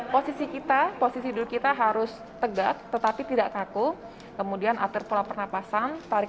posisi kita posisi dulu kita harus tegak tetapi tidak kaku kemudian atur pola pernapasan tarik